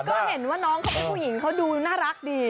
ก็เห็นว่าน้องเขาเป็นผู้หญิงเขาดูน่ารักดี